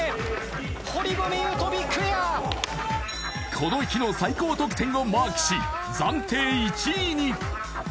この日の最高得点をマークし暫定１位に！